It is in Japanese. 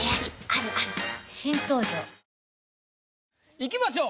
いきましょう。